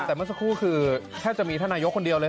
แต่เมื่อสักครู่คือแทบจะมีท่านนายกคนเดียวเลย